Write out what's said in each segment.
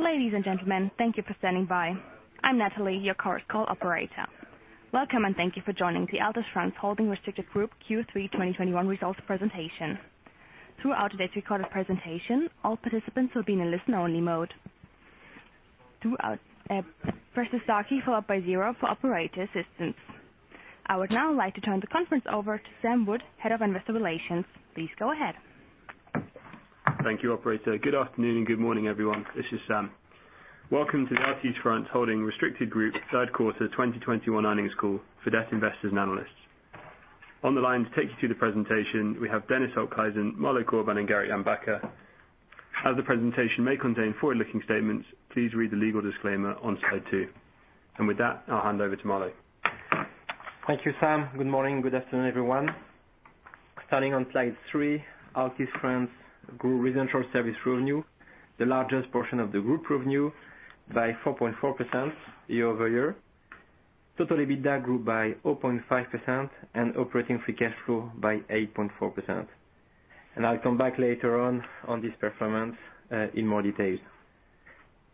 Ladies and gentlemen, thank you for standing by. I'm Natalie, your current call operator. Welcome, and thank you for joining the Altice France Holding Restricted Group Q3 2021 results presentation. Throughout today's recorded presentation, all participants will be in a listen-only mode. Throughout, press star key followed by zero for operator assistance. I would now like to turn the conference over to Sam Wood, Head of Investor Relations. Please go ahead. Thank you, operator. Good afternoon, and good morning, everyone. This is Sam. Welcome to the Altice France Holding Restricted Group Q3 2021 earnings call for debt investors and analysts. On the line to take you through the presentation, we have Dennis Okhuijsen, Mathieu Robilliard, and Gerrit Jan Bakker. As the presentation may contain forward-looking statements, please read the legal disclaimer on slide 2. With that, I'll hand over to Mathieu Robilliard. Thank you, Sam. Good morning, good afternoon, everyone. Starting on slide three, Altice France grew residential service revenue, the largest portion of the group revenue, by 4.4% year-over-year. Total EBITDA grew by 0.5%, and operating free cash flow by 8.4%. I'll come back later on this performance in more detail.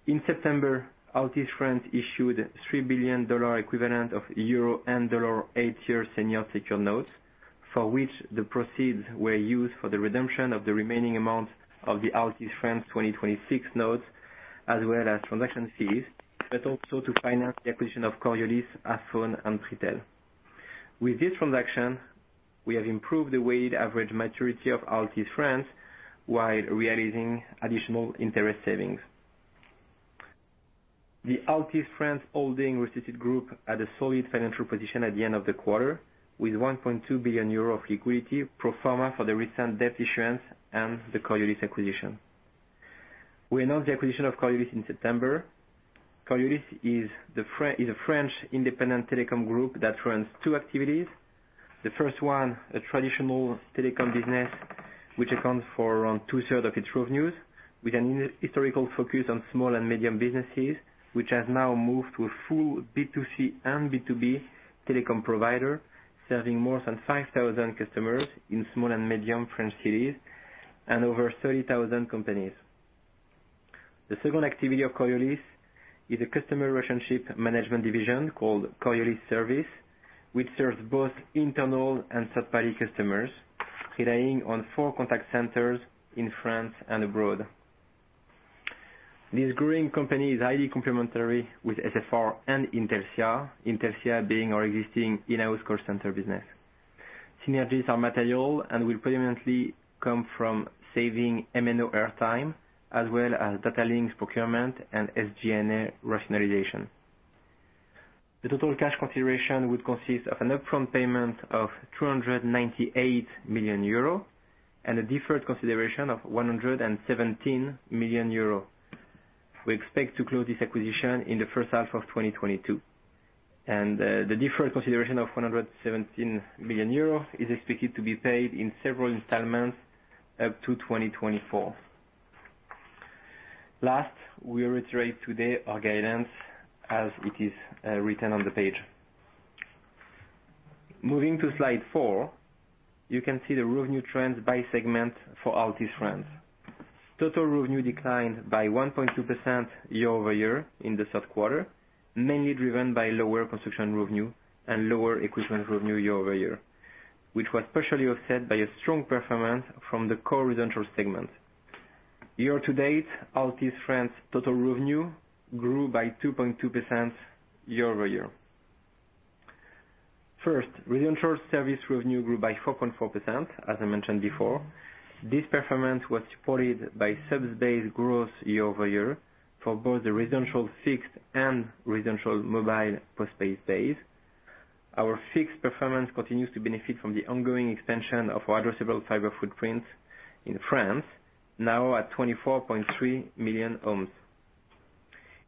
In September, Altice France issued $3 billion equivalent of euro and dollar 8-year senior secured notes, for which the proceeds were used for the redemption of the remaining amount of the Altice France 2026 notes, as well as transaction fees, but also to finance the acquisition of Coriolis, Afone and FreeTel. With this transaction, we have improved the weighted average maturity of Altice France while realizing additional interest savings. The Altice France Holding Restricted Group had a solid financial position at the end of the quarter, with 1.2 billion euro of liquidity pro forma for the recent debt issuance and the Coriolis acquisition. We announced the acquisition of Coriolis in September. Coriolis is a French independent telecom group that runs two activities. The first one, a traditional telecom business which accounts for around two-thirds of its revenues, with a historical focus on small and medium businesses, which has now moved to a full B2C and B2B telecom provider, serving more than 5,000 customers in small and medium French cities and over 30,000 companies. The second activity of Coriolis is a customer relationship management division called Coriolis Service, which serves both internal and third-party customers, relying on four contact centers in France and abroad. This growing company is highly complementary with SFR and Intelcia being our existing in-house call center business. Synergies are material and will predominantly come from saving MNO air time as well as data links procurement and SG&A rationalization. The total cash consideration would consist of an upfront payment of 298 million euro and a deferred consideration of 117 million euro. We expect to close this acquisition in the first half of 2022. The deferred consideration of 117 million euro is expected to be paid in several installments up to 2024. Last, we reiterate today our guidance as it is, written on the page. Moving to slide 4, you can see the revenue trends by segment for Altice France. Total revenue declined by 1.2% year-over-year in the Q3, mainly driven by lower construction revenue and lower equipment revenue year-over-year, which was partially offset by a strong performance from the core residential segment. Year to date, Altice France total revenue grew by 2.2% year-over-year. First, residential service revenue grew by 4.4%, as I mentioned before. This performance was supported by subs-based growth year-over-year for both the residential fixed and residential mobile post-paid base. Our fixed performance continues to benefit from the ongoing expansion of our addressable fiber footprint in France, now at 24.3 million homes.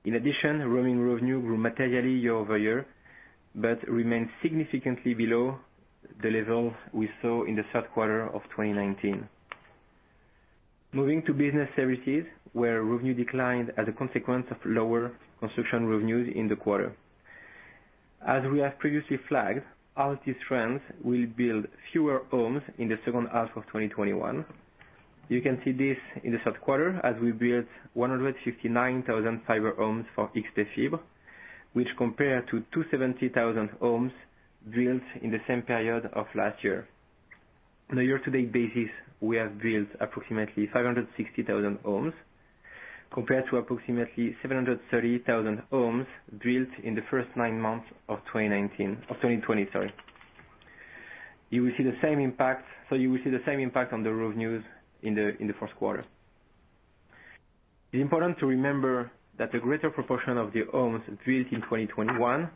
In addition, roaming revenue grew materially year-over-year, but remains significantly below the levels we saw in the Q3 2019. Moving to business services, where revenue declined as a consequence of lower construction revenues in the quarter. As we have previously flagged, Altice France will build fewer homes in the second half of 2021. You can see this in the Q3 as we built 159,000 fiber homes for XpFibre, which compare to 270,000 homes built in the same period of last year. On a year-to-date basis, we have built approximately 560,000 homes, compared to approximately 730,000 homes built in the first nine months of 2020, sorry. You will see the same impact on the revenues in the Q1. It's important to remember that a greater proportion of the homes built in 2021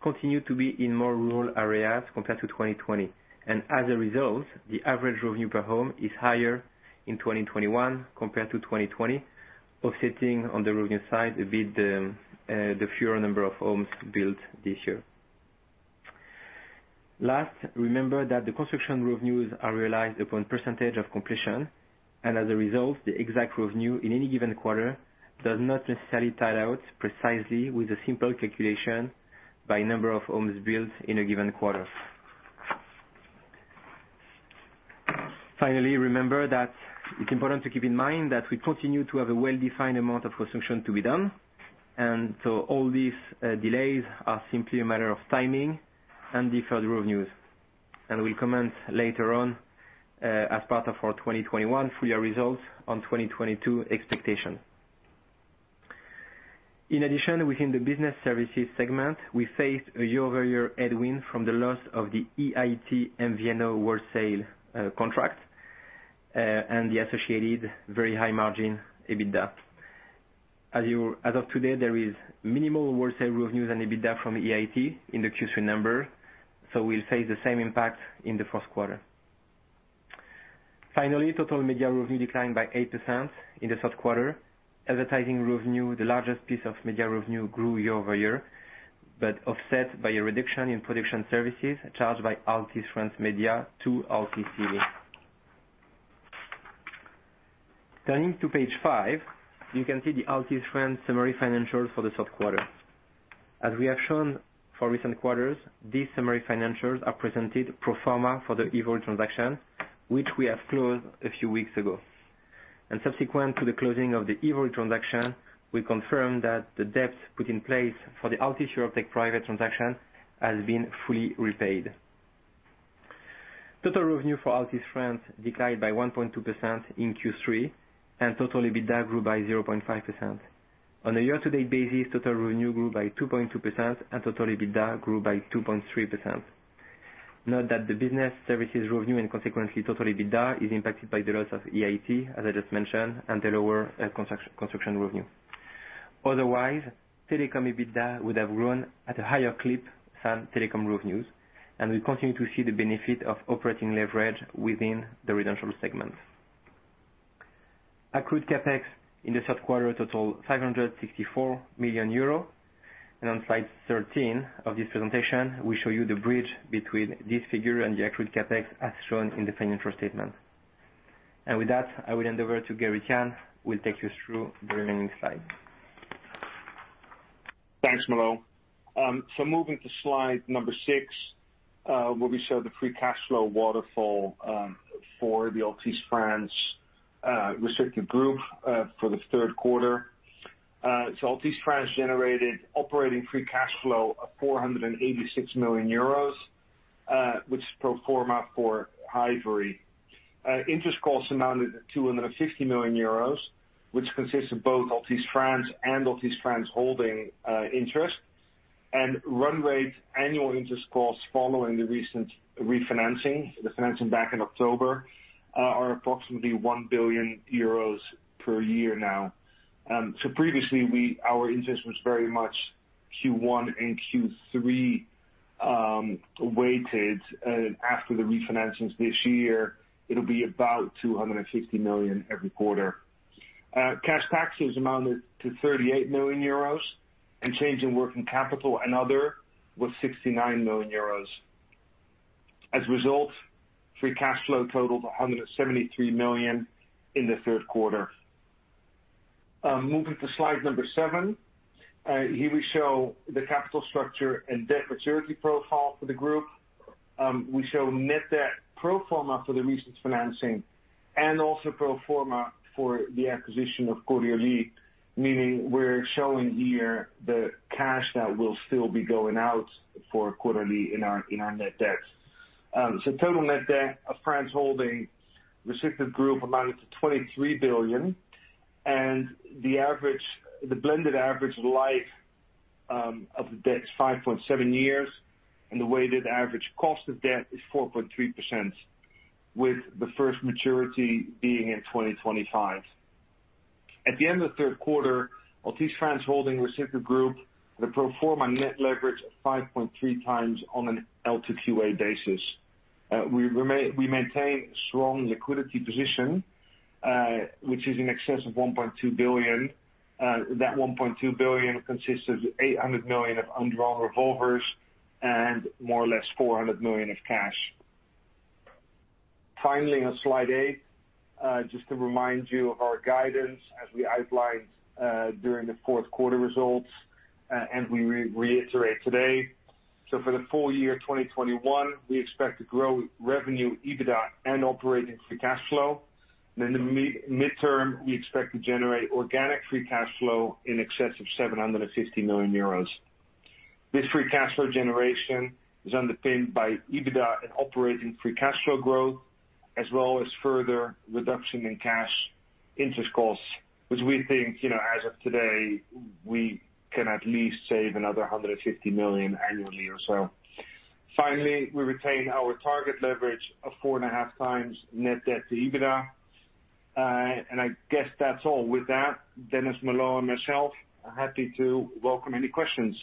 continue to be in more rural areas compared to 2020, and as a result, the average revenue per home is higher in 2021 compared to 2020, offsetting on the revenue side a bit, the fewer number of homes built this year. Last, remember that the construction revenues are realized upon percentage of completion, and as a result, the exact revenue in any given quarter does not necessarily tie out precisely with a simple calculation by number of homes built in a given quarter. Finally, remember that it's important to keep in mind that we continue to have a well-defined amount of construction to be done. All these delays are simply a matter of timing and deferred revenues. We'll comment later on, as part of our 2021 full year results on 2022 expectation. In addition, within the business services segment, we faced a year-over-year headwind from the loss of the EIT MVNO wholesale contract and the associated very high-margin EBITDA. As of today, there is minimal wholesale revenues and EBITDA from EIT in the Q3 number, so we'll face the same impact in the Q1. Finally, total media revenue declined by 8% in the Q3. Advertising revenue, the largest piece of media revenue, grew year-over-year, but offset by a reduction in production services charged by Altice France Media to Altice. Turning to page 5, you can see the Altice France summary financials for the Q3. As we have shown for recent quarters, these summary financials are presented pro forma for the Evo transaction, which we have closed a few weeks ago. Subsequent to the closing of the Evo transaction, we confirm that the debt put in place for the Altice Europe Tech private transaction has been fully repaid. Total revenue for Altice France declined by 1.2% in Q3, and total EBITDA grew by 0.5%. On a year-to-date basis, total revenue grew by 2.2%, and total EBITDA grew by 2.3%. Note that the business services revenue, and consequently total EBITDA, is impacted by the loss of EIT as I just mentioned, and the lower construction revenue. Otherwise, telecom EBITDA would have grown at a higher clip than telecom revenues, and we continue to see the benefit of operating leverage within the residential segment. Accrued CapEx in the Q3 totaled 564 million euro. On slide 13 of this presentation, we show you the bridge between this figure and the accrued CapEx as shown in the financial statement. With that, I will hand over to Gerrit Jan Bakker, who will take you through the remaining slides. Thanks, Mathieu Robilliard. Moving to slide number 6, where we show the free cash flow waterfall for the Altice France restricted group for the Q3. Altice France generated operating free cash flow of 486 million euros, which is pro forma for Hivory. Interest costs amounted to 250 million euros, which consists of both Altice France and Altice France holding interest. Run rate annual interest costs following the recent refinancing, the financing back in October, are approximately 1 billion euros per year now. Previously, our interest was very much Q1 and Q3 weighted, and after the refinancings this year, it'll be about 250 million every quarter. Cash taxes amounted to 38 million euros, and change in working capital and other was 69 million euros. As a result, free cash flow totaled 173 million in the Q3. Moving to slide 7. Here we show the capital structure and debt maturity profile for the group. We show net debt pro forma for the recent financing and also pro forma for the acquisition of Coriolis, meaning we're showing here the cash that will still be going out for Coriolis in our net debt. Total net debt of Altice France Holding Restricted Group amounted to 23 billion, and the blended average life of the debt is 5.7 years, and the weighted average cost of debt is 4.3%, with the first maturity being in 2025. At the end of the Q3, Altice France Holding Restricted Group had a pro forma net leverage of 5.3x on an L2QA basis. We maintain strong liquidity position, which is in excess of 1.2 billion. That 1.2 billion consists of 800 million of undrawn revolvers and more or less 400 million of cash. Finally, on slide eight, just to remind you of our guidance as we outlined during the Q4 results, and we reiterate today. For the full-year 2021, we expect to grow revenue, EBITDA and operating free cash flow. In the midterm, we expect to generate organic free cash flow in excess of 750 million euros. This free cash flow generation is underpinned by EBITDA and operating free cash flow growth, as well as further reduction in cash interest costs, which we think, you know, as of today, we can at least save another 150 million annually or so. Finally, we retain our target leverage of four and a half times net debt to EBITDA. I guess that's all. With that, Dennis Okhuijsen, Mathieu Robilliard, and myself are happy to welcome any questions.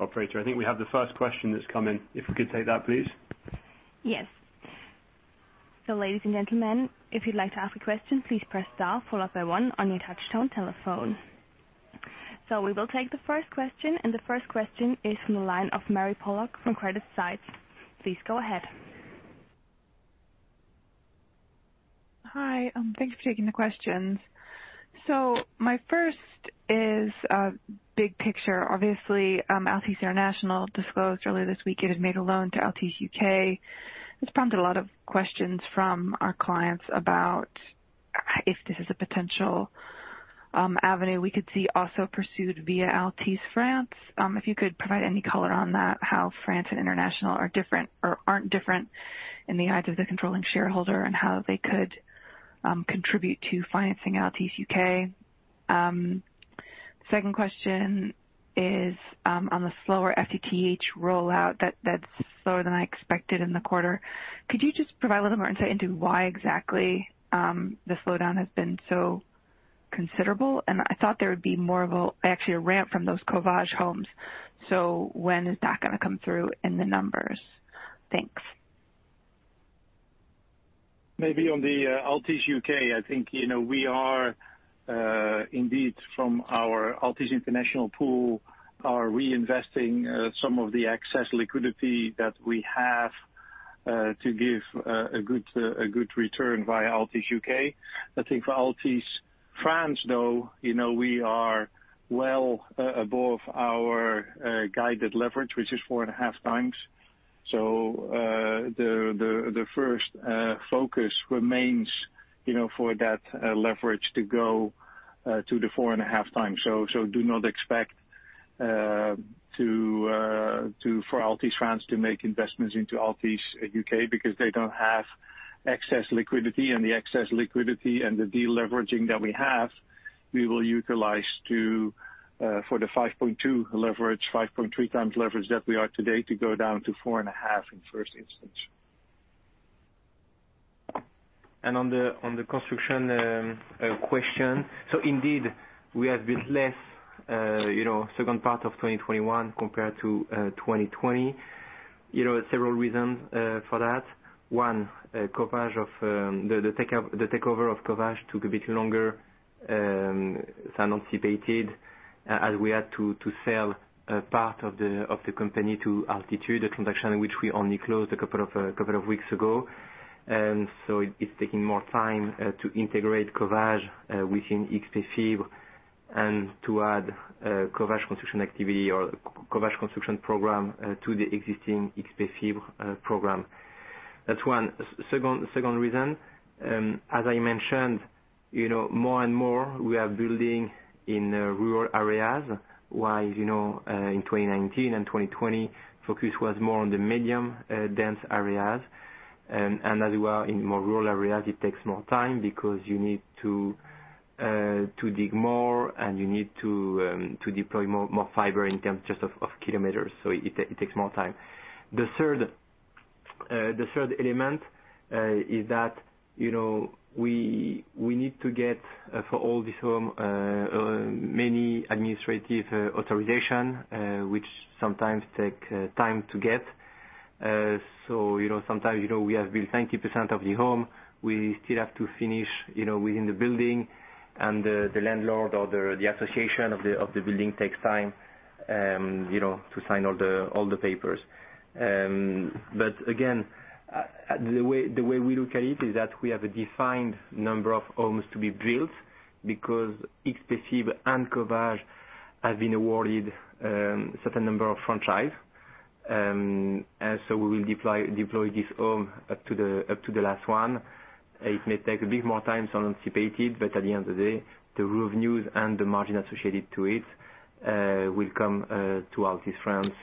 Hello? Operator, I think we have the first question that's come in. If we could take that, please. Yes. Ladies and gentlemen, if you'd like to ask a question, please press star followed by one on your touchtone telephone. We will take the first question, and the first question is from the line of Mary Pollock from CreditSights. Please go ahead. Hi, thanks for taking the questions. My first is a big picture. Obviously, Altice International disclosed earlier this week it had made a loan to Altice UK, which prompted a lot of questions from our clients about if this is a potential avenue we could see also pursued via Altice France. If you could provide any color on that, how France and International are different or aren't different in the eyes of the controlling shareholder, and how they could contribute to financing Altice UK. Second question is on the slower FTTH rollout that's slower than I expected in the quarter. Could you just provide a little more insight into why exactly the slowdown has been so considerable? I thought there would be more of a actually a ramp from those Covage homes. When is that gonna come through in the numbers? Thanks. Maybe on the Altice UK, I think, you know, we are indeed from our Altice International pool are reinvesting some of the excess liquidity that we have to give a good return via Altice UK. I think for Altice France, though, you know, we are well above our guided leverage, which is four and a half times. So the first focus remains, you know, for that leverage to go to the four and a half times. So do not expect to to...for Altice France to make investments into Altice UK because they don't have excess liquidity, and the excess liquidity and the deleveraging that we have, we will utilize to for the 5.2 leverage, 5.3 times leverage that we are today to go down to 4.5 in first instance. On the construction question. Indeed, we have built less second part of 2021 compared to 2020. Several reasons for that. One, the takeover of Covage took a bit longer than anticipated as we had to sell a part of the company to Altitude, a transaction which we only closed a couple of weeks ago. It's taking more time to integrate Covage within XpFibre and to add Covage construction activity or Covage construction program to the existing XpFibre program. That's one. Second reason, as I mentioned, you know, more and more we are building in rural areas, while, you know, in 2019 and 2020 focus was more on the medium dense areas. As we are in more rural areas, it takes more time because you need to dig more and you need to deploy more fiber in terms just of kilometers, so it takes more time. The third element is that, you know, we need to get for all these homes many administrative authorizations which sometimes take time to get. You know, sometimes, you know, we have built 90% of the home. We still have to finish, you know, within the building and the landlord or the association of the building takes time, you know, to sign all the papers. But again, the way we look at it is that we have a defined number of homes to be built because XpFibre and Covage have been awarded certain number of franchise. We will deploy this home up to the last one. It may take a bit more time than anticipated, but at the end of the day, the revenues and the margin associated to it will come to Altice France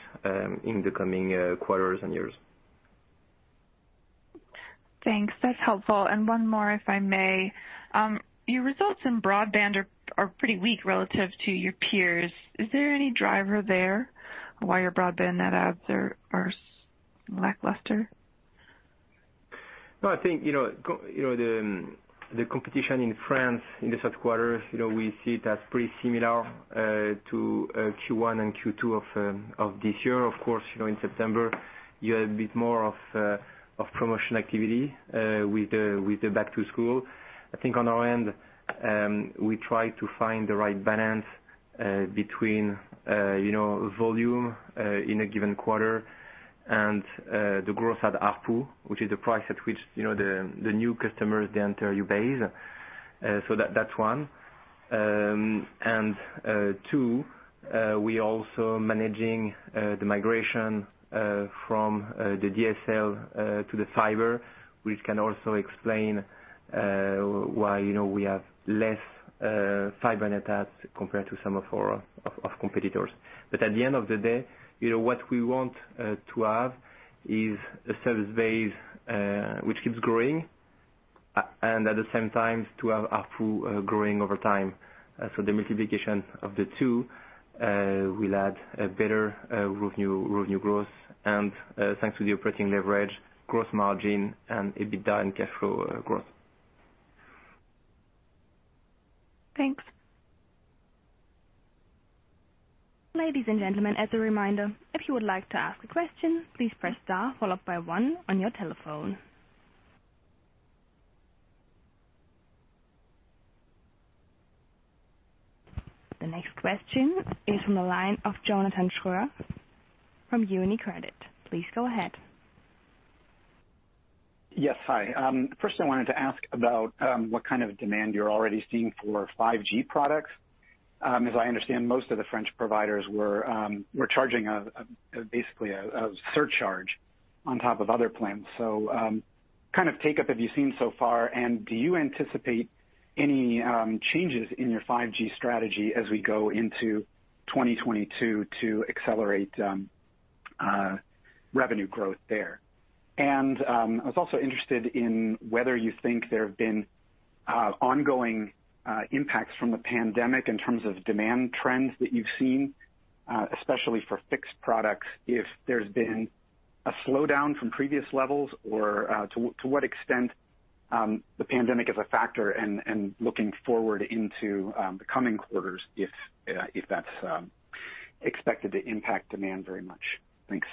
in the coming quarters and years. Thanks. That's helpful. One more, if I may. Your results in broadband are pretty weak relative to your peers. Is there any driver there why your broadband net adds are lackluster? No, I think, you know, the competition in France in the Q3, you know, we see it as pretty similar to Q1 and Q2 of this year. Of course, you know, in September, you have a bit more of promotion activity with the back to school. I think on our end, we try to find the right balance between, you know, volume in a given quarter and the growth at ARPU, which is the price at which, you know, the new customers, they enter your base. That's one. We're also managing the migration from the DSL to the fiber, which can also explain why, you know, we have less fiber net adds compared to some of our competitors. At the end of the day, you know, what we want to have is a service base which keeps growing and at the same time to have ARPU growing over time. The multiplication of the two will add a better revenue growth, and thanks to the operating leverage, growth margin and EBITDA and cash flow growth. Thanks. Ladies and gentlemen, as a reminder, if you would like to ask a question, please press star followed by one on your telephone. The next question is from the line of Jason Kalamboussis from UniCredit. Please go ahead. Yes. Hi. First I wanted to ask about what kind of demand you're already seeing for 5G products. As I understand, most of the French providers were charging basically a surcharge on top of other plans. Kind of uptake have you seen so far, and do you anticipate any changes in your 5G strategy as we go into 2022 to accelerate revenue growth there? I was also interested in whether you think there have been ongoing impacts from the pandemic in terms of demand trends that you've seen, especially for fixed products, if there's been a slowdown from previous levels or to what extent the pandemic is a factor and looking forward into the coming quarters, if that's expected to impact demand very much. Thanks.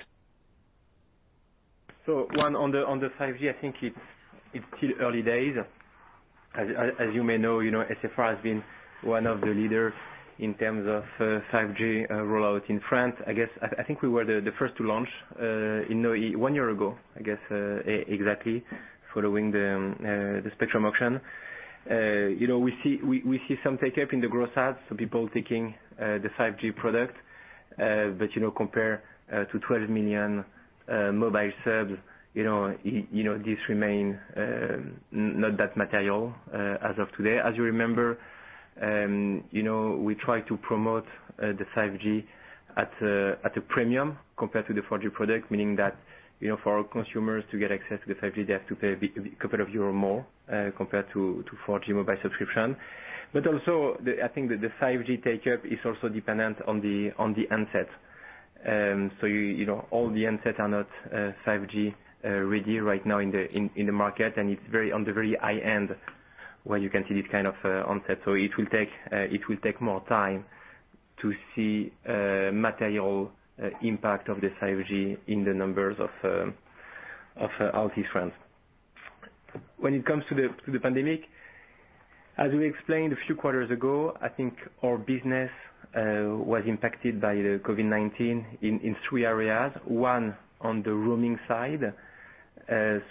On the 5G, I think it's still early days. As you may know, you know, SFR has been one of the leaders in terms of 5G rollout in France. I think we were the first to launch 1 year ago, I guess, exactly, following the spectrum auction. You know, we see some take up in the growth areas, so people taking the 5G product. But you know, compared to 12 million mobile subs, you know, you know, this remains not that material as of today. As you remember, you know, we try to promote the 5G at a premium compared to the 4G product, meaning that, you know, for our consumers to get access to the 5G, they have to pay a couple of euros more compared to 4G mobile subscription. Also the 5G uptake is also dependent on the handset. You know, all the handsets are not 5G ready right now in the market, and it's on the very high-end where you can see this kind of handset. It will take more time to see material impact of the 5G in the numbers of Altice France. When it comes to the pandemic, as we explained a few quarters ago, I think our business was impacted by the COVID-19 in three areas. One, on the roaming side.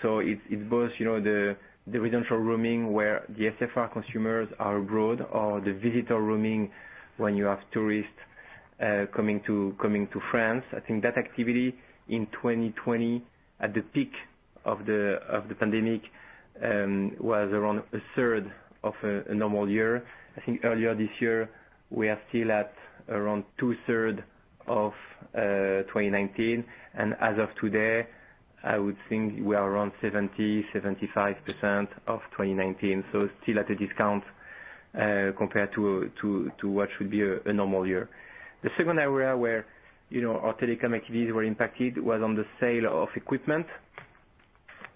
So it's both the residential roaming where the SFR consumers are abroad or the visitor roaming when you have tourists coming to France. I think that activity in 2020 at the peak of the pandemic was around a third of a normal year. I think earlier this year, we are still at around two-thirds of 2019, and as of today, I would think we are around 70%-75% of 2019. Still at a discount compared to what should be a normal year. The second area where, you know, our telecom activities were impacted was on the sale of equipment.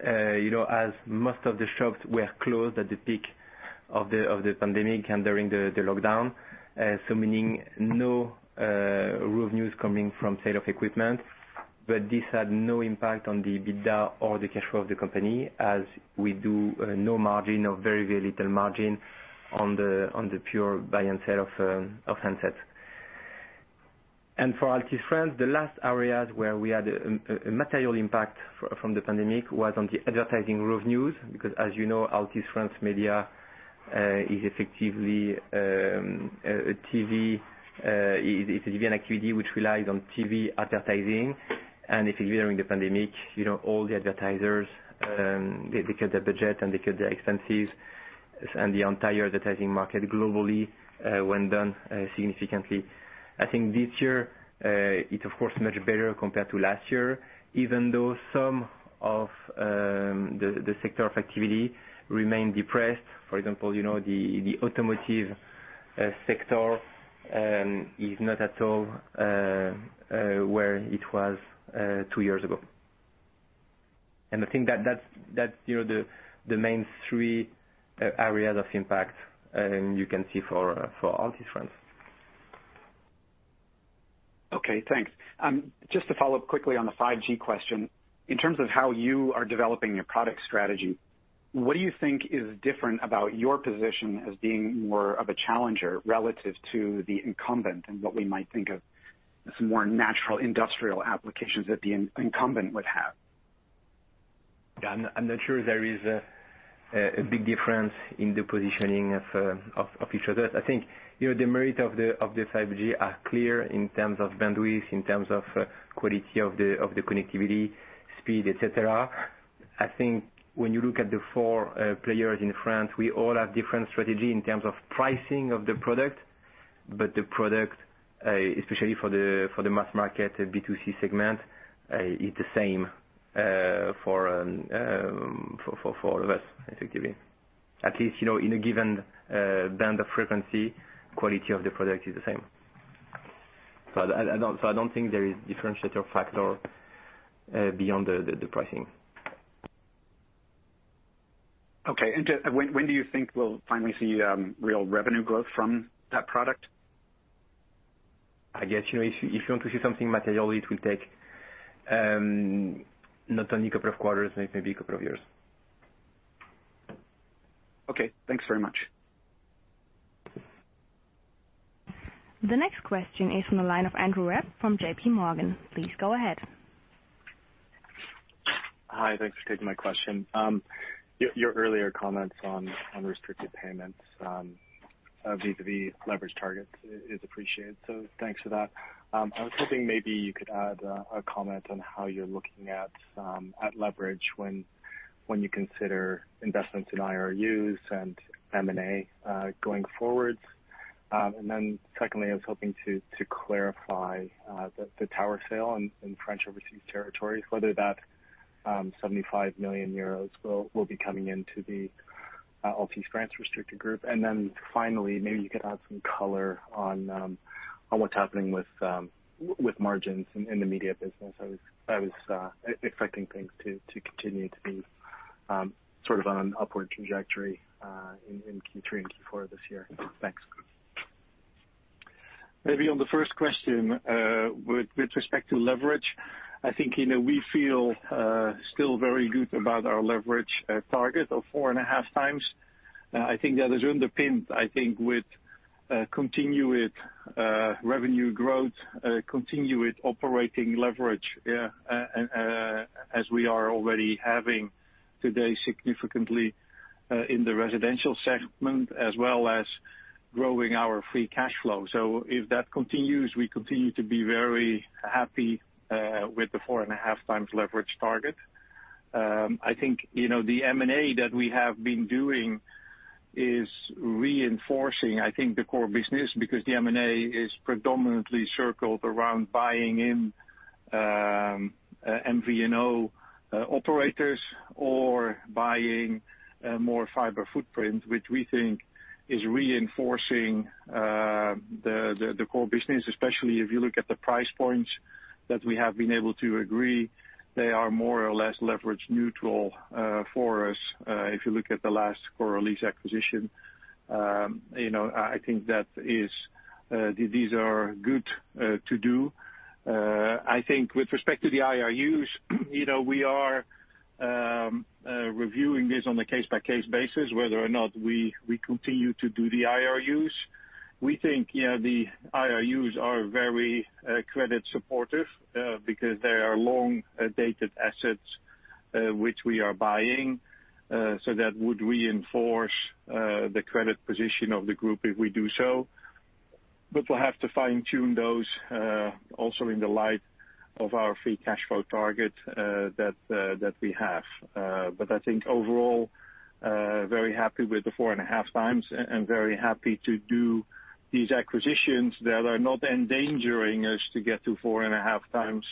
You know, as most of the shops were closed at the peak of the pandemic and during the lockdown, so meaning no revenues coming from sale of equipment. But this had no impact on the EBITDA or the cash flow of the company as we do no margin or very little margin on the pure buy and sell of handsets. For Altice France, the last areas where we had a material impact from the pandemic was on the advertising revenues, because as you know, Altice France Media is effectively a TV, it is an activity which relies on TV advertising. Effectively during the pandemic, you know, all the advertisers, they cut their budget and they cut their expenses, and the entire advertising market globally, went down, significantly. I think this year, it's of course much better compared to last year, even though some of the sector of activity remain depressed. For example, you know, the automotive sector is not at all where it was two years ago. I think that's you know the main three areas of impact you can see for Altice France. Okay, thanks. Just to follow-up quickly on the 5G question, in terms of how you are developing your product strategy, what do you think is different about your position as being more of a challenger relative to the incumbent and what we might think of some more natural industrial applications that the incumbent would have? Yeah, I'm not sure there is a big difference in the positioning of each other. I think, you know, the merit of the 5G are clear in terms of bandwidth, in terms of quality of the connectivity speed, et cetera. I think when you look at the four players in France, we all have different strategy in terms of pricing of the product, but the product, especially for the mass market B2C segment, is the same, for all of us effectively. At least, you know, in a given band of frequency, quality of the product is the same. I don't think there is differentiator factor beyond the pricing. Okay. Just when do you think we'll finally see real revenue growth from that product? I guess, you know, if you want to see something materially, it will take, not only a couple of quarters, it may be a couple of years. Okay, thanks very much. The next question is from the line of Andrew Lee from Goldman Sachs. Please go ahead. Hi. Thanks for taking my question. Your earlier comments on restricted payments vis-à-vis leverage targets is appreciated, so thanks for that. I was hoping maybe you could add a comment on how you're looking at leverage when you consider investments in IRUs and M&A going forward. Secondly, I was hoping to clarify the tower sale in French overseas territories, whether that 75 million euros will be coming into the Altice France restricted group. Then finally, maybe you could add some color on what's happening with margins in the media business. I was expecting things to continue to be sort of on an upward trajectory in Q3 and Q4 this year. Thanks. Maybe on the first question, with respect to leverage, I think, you know, we feel still very good about our leverage target of 4.5x. I think that is underpinned, I think, with continued revenue growth, continued operating leverage, as we are already having today significantly in the residential segment, as well as growing our free cash flow. If that continues, we continue to be very happy with the 4.5x leverage target. I think, you know, the M&A that we have been doing is reinforcing, I think, the core business because the M&A is predominantly circled around buying in MVNO operators or buying more fiber footprint, which we think is reinforcing the core business, especially if you look at the price points that we have been able to agree. They are more or less leverage neutral for us. If you look at the last Coriolis acquisition, you know, I think that is these are good to do. I think with respect to the IRUs, you know, we are reviewing this on a case-by-case basis, whether or not we continue to do the IRUs. We think, yeah, the IRUs are very credit supportive because they are long-dated assets which we are buying so that would reinforce the credit position of the group if we do so. We'll have to fine-tune those also in the light of our free cash flow target that we have. I think overall very happy with the 4.5 times and very happy to do these acquisitions that are not endangering us to get to 4.5 times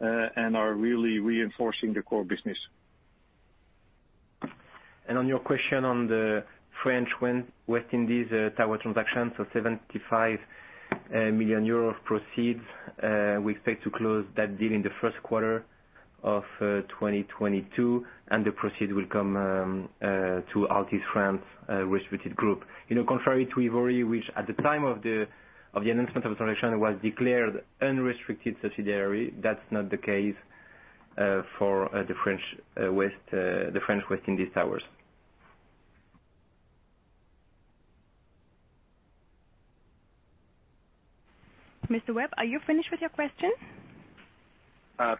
and are really reinforcing the core business. On your question on the French West Indies tower transaction, so 75 million euros of proceeds, we expect to close that deal in the Q1 2022, and the proceeds will come to Altice France restricted group. You know, contrary to Hivory, which at the time of the announcement of transaction was declared unrestricted subsidiary, that's not the case for the French West Indies towers. Mr. Lee, are you finished with your questions?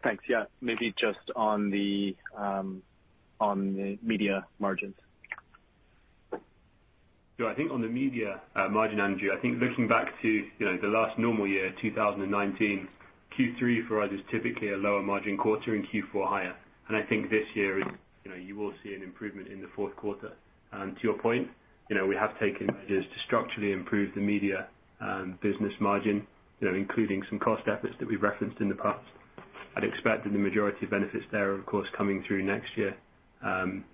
Thanks. Yeah. Maybe just on the media margins. I think on the media margin, Andrew, I think looking back to, you know, the last normal year, 2019, Q3 for us is typically a lower-margin quarter and Q4 higher. I think this year is, you know, you will see an improvement in the Q4. To your point, you know, we have taken measures to structurally improve the media business margin, you know, including some cost efforts that we've referenced in the past. I'd expect that the majority of benefits there are, of course, coming through next year,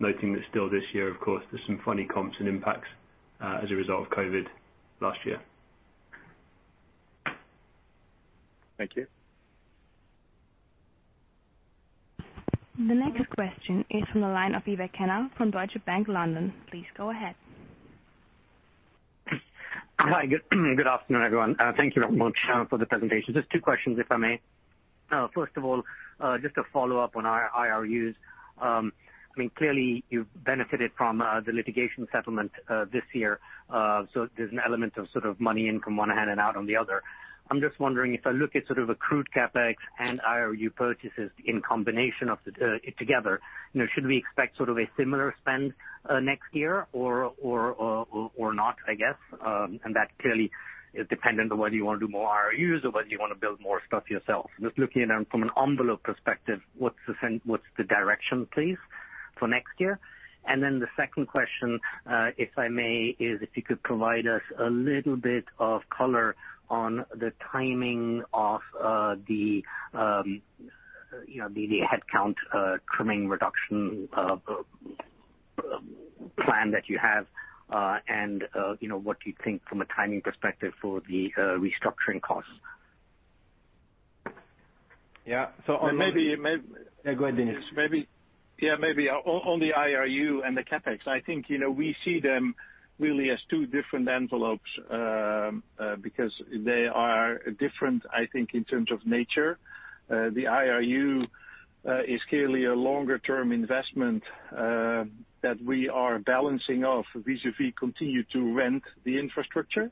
noting that still this year, of course, there's some funny comps and impacts as a result of COVID-19 last year. Thank you. The next question is from the line of Akhil Dattani from J.P. Morgan, London. Please go ahead. Hi. Good afternoon, everyone. Thank you very much for the presentation. Just two questions, if I may. First of all, just a follow-up on our IRUs. I mean, clearly you've benefited from the litigation settlement this year. So there's an element of sort of money in from one hand and out on the other. I'm just wondering if I look at sort of accrued CapEx and IRU purchases in combination of the together, you know, should we expect sort of a similar spend next year or not, I guess? And that clearly is dependent on whether you wanna do more IRUs or whether you wanna build more stuff yourself. Just looking at them from an envelope perspective, what's the direction, please, for next year? The second question, if I may, is if you could provide us a little bit of color on the timing of, you know, the headcount trimming reduction plan that you have, and you know, what you think from a timing perspective for the restructuring costs. Yeah. Yeah, go ahead, Dennis. Yeah, maybe on the IRU and the CapEx, I think, you know, we see them really as two different envelopes because they are different, I think, in terms of nature. The IRU is clearly a longer-term investment that we are balancing off vis-a-vis continue to rent the infrastructure.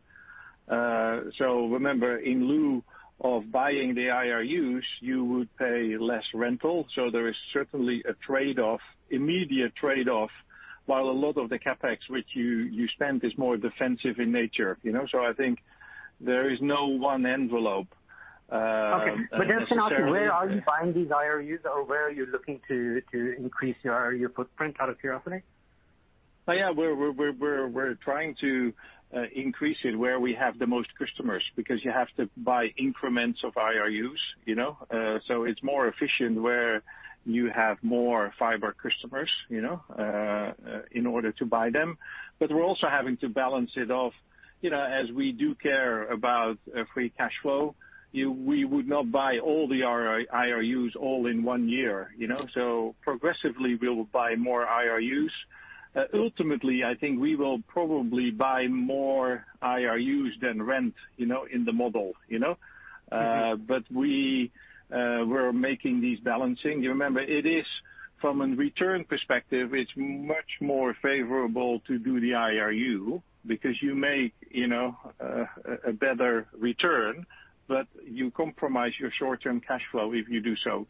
Remember, in lieu of buying the IRUs, you would pay less rental. There is certainly a trade-off, immediate trade-off, while a lot of the CapEx which you spend is more defensive in nature, you know? I think there is no one envelope, necessarily. Okay. Just to know where are you buying these IRUs or where are you looking to increase your footprint out of curiosity? Oh, yeah, we're trying to increase it where we have the most customers because you have to buy increments of IRUs, you know? It's more efficient where you have more fiber customers, you know, in order to buy them. We're also having to balance it off, you know, as we do care about free cash flow. We would not buy all the IRUs all in one year, you know? Progressively, we'll buy more IRUs. Ultimately, I think we will probably buy more IRUs than rent, you know, in the model, you know? Mm-hmm. We're making these balancing. You remember, it is from a return perspective, it's much more favorable to do the IRU because you make, you know, a better return, but you compromise your short-term cash flow if you do so.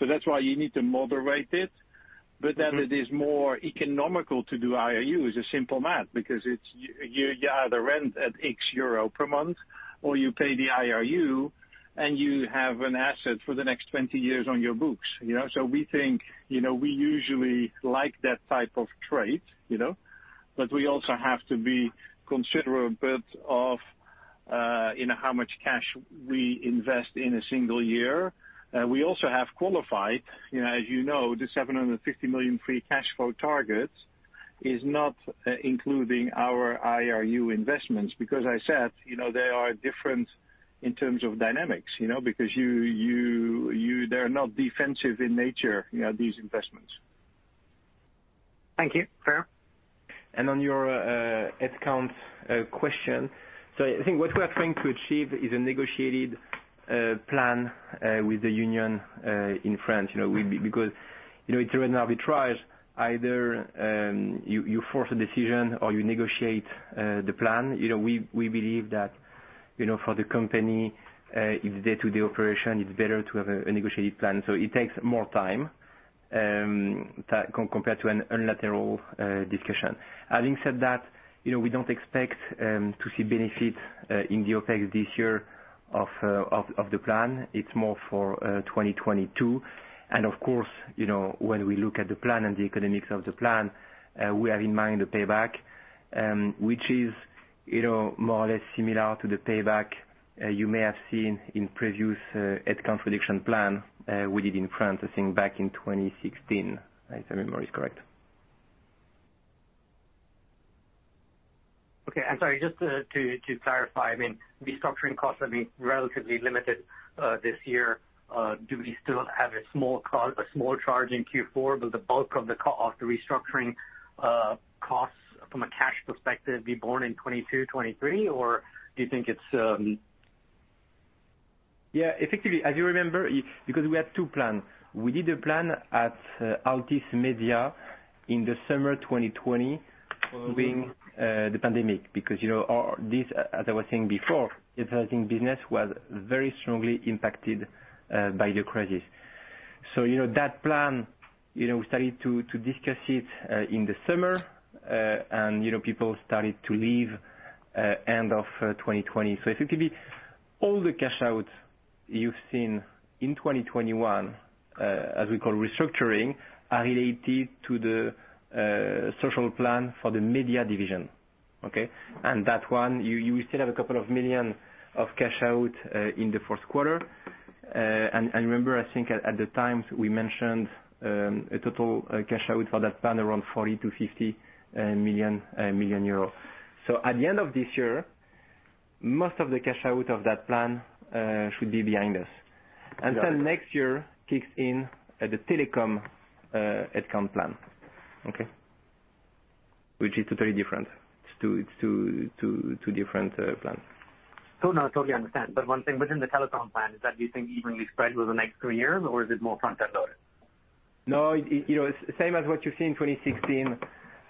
That's why you need to moderate it. Then it is more economical to do IRU. It's a simple math because it's you either rent at X EUR per month or you pay the IRU, and you have an asset for the next 20 years on your books, you know? We think, you know, we usually like that type of trade, you know? We also have to be considerate of, you know, how much cash we invest in a single year. We also have quantified, you know, as you know, the 750 million free cash flow target is not including our IRU investments. Because I said, you know, they are different in terms of dynamics, you know, because they're not defensive in nature, you know, these investments. Thank you. Fair. On your Social Plan question. I think what we are trying to achieve is a negotiated plan with the union in France, you know. Because, you know, it's a random arbitrage. Either you force a decision or you negotiate the plan. You know, we believe that, you know, for the company, its day-to-day operation, it's better to have a negotiated plan. It takes more time compared to a unilateral discussion. Having said that, you know, we don't expect to see benefits in the OPEX this year of the plan. It's more for 2022. Of course, you know, when we look at the plan and the economics of the plan, we have in mind the payback, which is, you know, more or less similar to the payback you may have seen in previous SFR connection plan we did in France, I think, back in 2016, if my memory is correct. Okay, I'm sorry. Just to clarify, I mean, restructuring costs have been relatively limited this year. Do we still have a small charge in Q4, but the bulk of the restructuring costs from a cash perspective be borne in 2022, 2023? Or do you think it's... Yeah. Effectively, as you remember, because we had two plans. We did a plan at Altice Media in the summer 2020 during the pandemic. Because, you know, our, this, as I was saying before, advertising business was very strongly impacted by the crisis. You know, that plan, you know, we started to discuss it in the summer. You know, people started to leave end of 2020. Effectively all the cash outs you've seen in 2021, as we call restructuring, are related to the Social Plan for the media division. Okay. That one, you still have a couple of million EUR cash out in the Q4. Remember, I think at the time, we mentioned a total cash out for that plan around 40 million-50 million euros. At the end of this year, most of the cash out of that plan should be behind us. Until next year kicks in, the telecom Social Plan. Okay. Which is totally different. It's two different plans. Now I totally understand. One thing within the telecom plan is that do you think evenly spread over the next three years, or is it more front-end loaded? No, you know, same as what you see in 2016.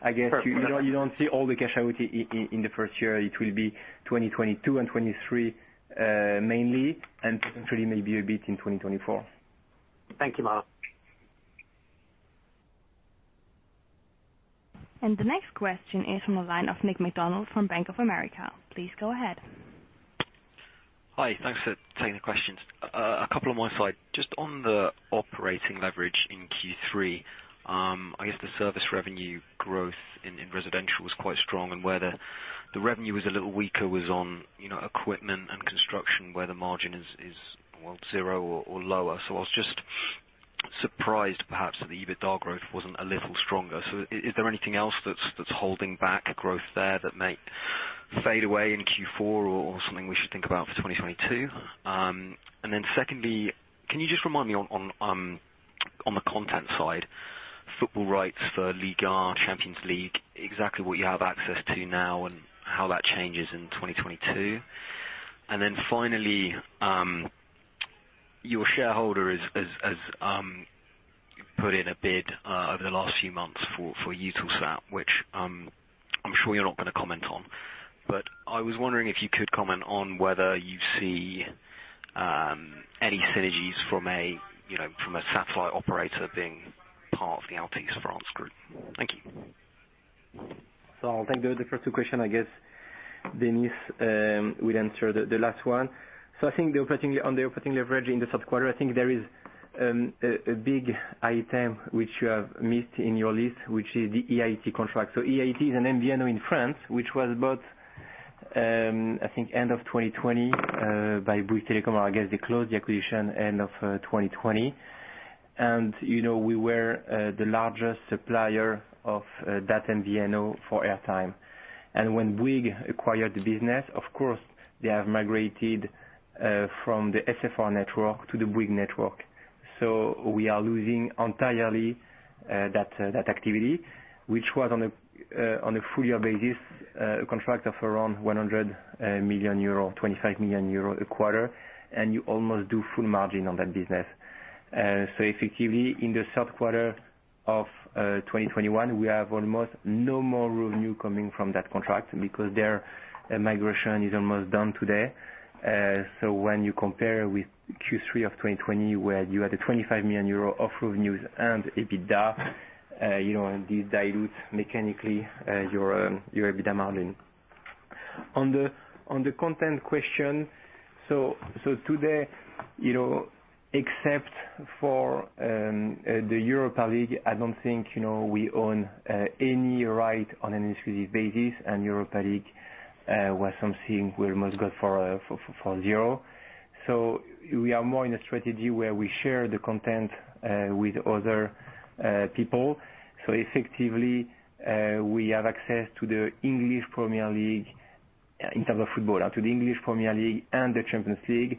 I guess you Perfect. You don't see all the cash out in the first year. It will be 2022 and 2023, mainly, and potentially maybe a bit in 2024. Thank you, Mathieu Robilliard. The next question is from a line of Nick MacDonald from Bank of America. Please go ahead. Hi. Thanks for taking the questions. A couple on my side. Just on the operating leverage in Q3, I guess the service revenue growth in residential was quite strong, and where the revenue was a little weaker was on, you know, equipment and construction, where the margin is well zero or lower. I was just surprised perhaps that the EBITDA growth wasn't a little stronger. Is there anything else that's holding back growth there that might fade away in Q4 or something we should think about for 2022? Secondly, can you just remind me on the content side, football rights for Ligue 1, Champions League, exactly what you have access to now and how that changes in 2022. Finally, your shareholder has put in a bid over the last few months for Eutelsat, which I'm sure you're not gonna comment on. I was wondering if you could comment on whether you see any synergies from a, you know, from a satellite operator being part of the Altice France group. Thank you. I'll take the first two questions. I guess Dennis will answer the last one. I think on the operating leverage in the Q3, I think there is a big item which you have missed in your list, which is the EI Telecom contract. EI Telecom is an MVNO in France, which was bought, I think end of 2020, by Bouygues Telecom. I guess they closed the acquisition end of 2020. You know, we were the largest supplier of that MVNO for airtime. When Bouygues acquired the business, of course, they have migrated from the SFR network to the Bouygues network. We are losing entirely that activity, which was on a full-year basis a contract of around 100 million euro, 25 million euro a quarter, and you almost do full margin on that business. Effectively in the Q3 2021, we have almost no more revenue coming from that contract because their migration is almost done today. When you compare with Q3 of 2020, where you had a 25 million euro of revenues and EBITDA, you know, and this dilutes mechanically your EBITDA margin. On the content question. Today, you know, except for the Europa League, I don't think, you know, we own any right on an exclusive basis. The Europa League was something we almost got for zero. We are more in a strategy where we share the content with other people. Effectively, we have access to the English Premier League, in terms of football, to the English Premier League and the Champions League,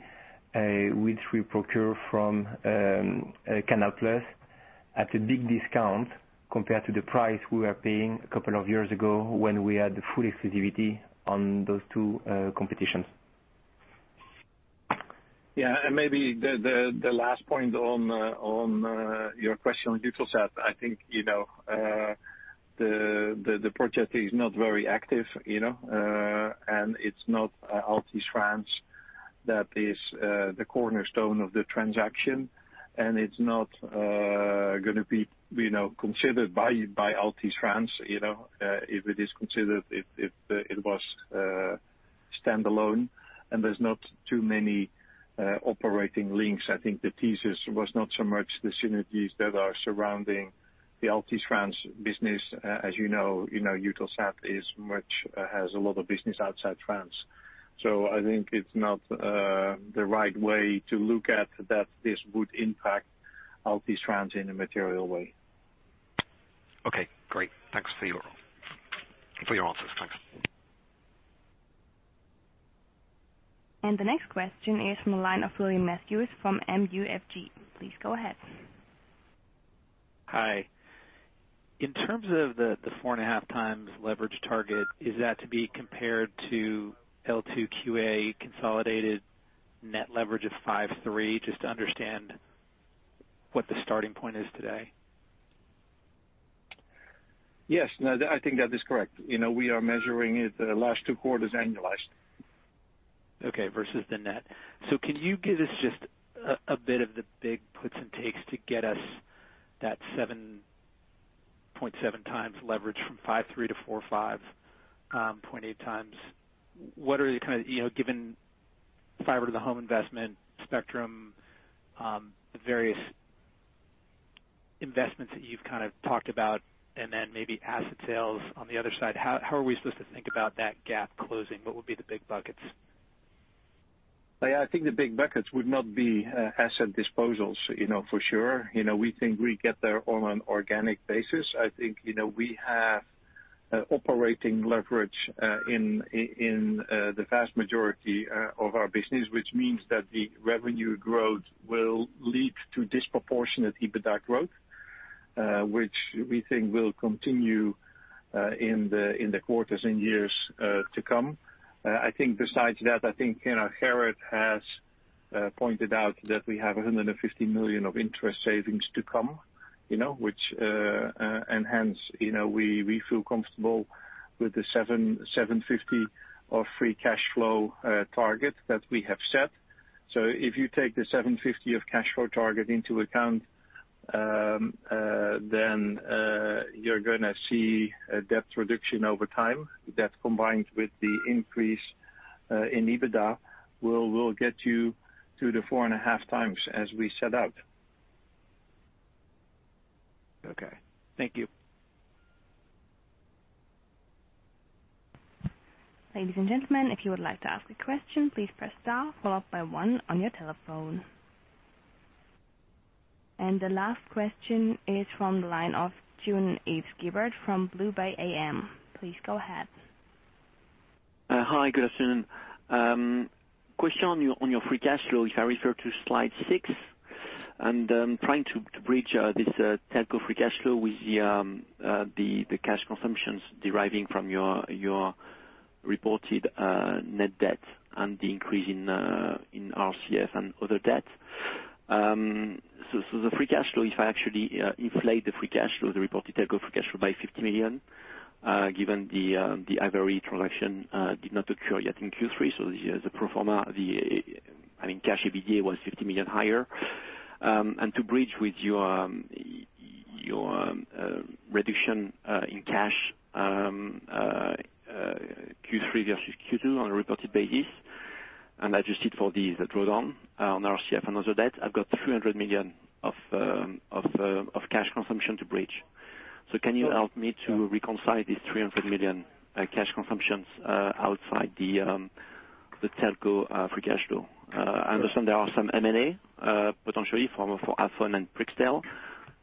which we procure from Canal+ at a big discount compared to the price we were paying a couple of years ago when we had full exclusivity on those two competitions. Yeah. Maybe the last point on your question on Eutelsat, I think, you know, the project is not very active, you know, and it's not Altice France that is the cornerstone of the transaction, and it's not gonna be, you know, considered by Altice France, you know. If it is considered, it was stand alone, and there's not too many operating links. I think the thesis was not so much the synergies that are surrounding the Altice France business. As you know, you know, Eutelsat has a lot of business outside France. I think it's not the right way to look at that this would impact Altice France in a material way. Okay, great. Thanks for your answers. Thanks. The next question is from the line of William Matthews from MUFG. Please go ahead. Hi. In terms of the 4.5x leverage target, is that to be compared to L2QA consolidated net leverage of 5.3, just to understand what the starting point is today? Yes. No, I think that is correct. You know, we are measuring it the last two quarters annualized. Okay. Versus the net. Can you give us just a bit of the big puts and takes to get us that 7.7x leverage from 5.3 to 4.5, 0.8x? What are the kind of? You know, given fiber to the home investment spectrum, the various investments that you've kind of talked about, and then maybe asset sales on the other side, how are we supposed to think about that gap closing? What would be the big buckets? Yeah. I think the big buckets would not be asset disposals, you know, for sure. You know, we think we get there on an organic basis. I think, you know, we have operating leverage in the vast majority of our business, which means that the revenue growth will lead to disproportionate EBITDA growth, which we think will continue in the quarters and years to come. I think besides that, I think, you know, Gerrit has pointed out that we have 150 million of interest savings to come, you know, which and hence, you know, we feel comfortable with the 750 million free cash flow target that we have set. If you take the 750 million cash flow target into account, you're gonna see a debt reduction over time. That combined with the increase in EBITDA will get you to the 4.5x as we set out. Okay. Thank you. The last question is from the line of Jean-Yves Guibert from BlueBay AM. Please go ahead. Hi, good afternoon. Question on your free cash flow, if I refer to slide 6 and trying to bridge this telco free cash flow with the cash consumptions deriving from your reported net debt and the increase in RCF and other debt. The free cash flow, if I actually inflate the free cash flow, the reported telco free cash flow by 50 million, given the Hivory transaction did not occur yet in Q3, so the pro forma, I mean, cash EBITDA was 50 million higher. To bridge with your reduction in cash Q3 versus Q2 on a reported basis, and adjust it for the draw down on RCF and other debt, I've got 300 million of cash consumption to bridge. Can you help me to reconcile this 300 million cash consumptions outside the telco free cash flow? I understand there are some M&A potentially for Afone and Brixtal.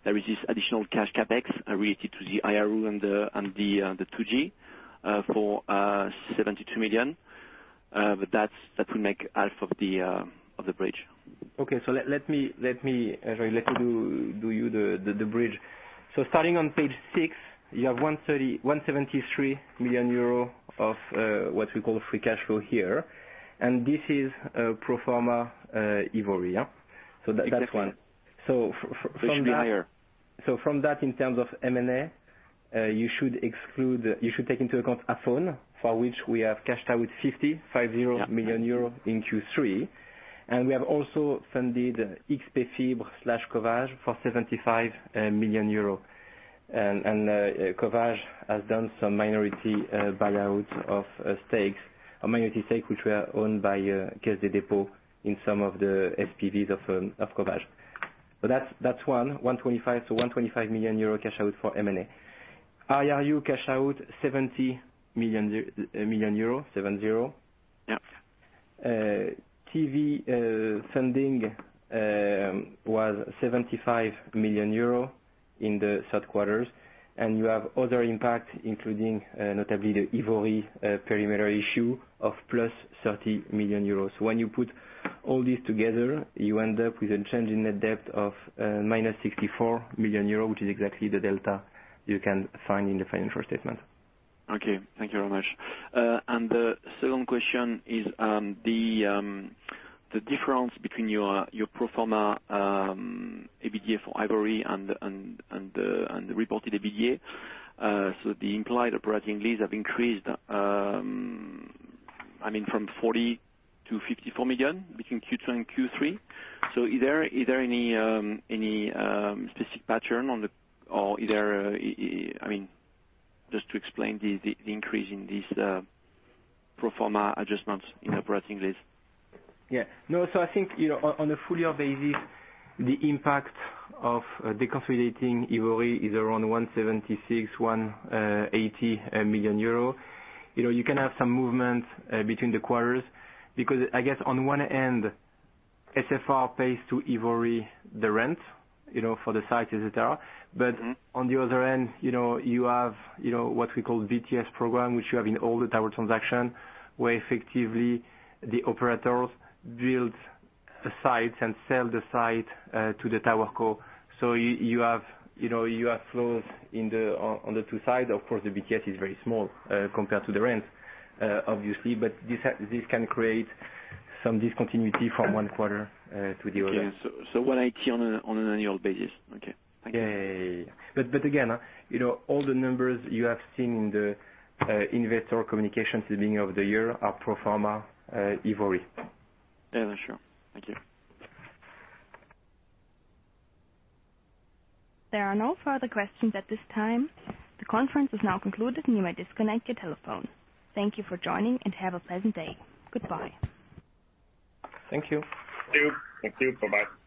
There is this additional cash CapEx related to the IRU and the 2G for 72 million. That will make half of the bridge. Okay. Actually let me do the bridge. Starting on page six, you have 173 million euro of what we call free cash flow here. This is pro forma Hivory, yeah? That's one. Exactly. From that. Should be there. From that, in terms of M&A, you should take into account Afone, for which we have cashed out with 50 million euros in Q3. We have also funded XpFibre/Covage for EUR 75 million. Covage has done some minority buyout of stakes, a minority stake which were owned by Caisse des Dépôts in some of the SPVs of Covage. That's one. 125. 125 million euro cash out for M&A. IRU cash out, 70 million. 70. Yeah. TV funding was 75 million euro in the Q3. You have other impacts, including, notably the Hivory perimeter issue of +30 million euros. When you put all this together, you end up with a change in net debt of -64 million euros, which is exactly the delta you can find in the financial statement. Okay. Thank you very much. The second question is the difference between your pro forma EBITDA for Hivory and the reported EBITDA. So the implied operating lease have increased, I mean, from 40 million-54 million between Q2 and Q3. So is there any specific pattern? Or is there, I mean, just to explain the increase in this pro forma adjustments in operating lease? I think, you know, on a full year basis, the impact of deconsolidating Hivory is around 176 million-180 million euro. You know, you can have some movement between the quarters, because I guess on one end, SFR pays to Hivory the rent, you know, for the site, et cetera. Mm-hmm. On the other end, you know, you have what we call BTS program, which you have in all the tower transaction, where effectively the operators build the sites and sell the site to the tower co. You have flows on the two sides. Of course, the BTS is very small compared to the rent, obviously. This can create some discontinuity from one quarter to the other. Okay. 180 on an annual basis. Okay. Thank you. Yeah. Again, you know, all the numbers you have seen in the investor communications at the beginning of the year are pro forma Hivory. Yeah, that's true. Thank you. There are no further questions at this time. The conference is now concluded, and you may disconnect your telephone. Thank you for joining, and have a pleasant day. Goodbye. Thank you. Thank you. Thank you. Bye-bye.